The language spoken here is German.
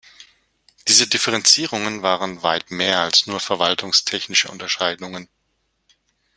Diese Differenzierungen waren weit mehr als nur verwaltungstechnische Unterscheidungen.